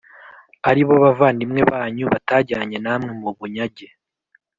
Ari bo bavandimwe banyu batajyanye namwe mu bunyage